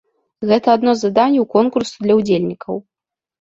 Гэта адно з заданняў конкурсу для ўдзельнікаў.